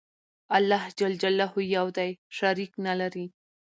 الله ج يو دى شريک نلري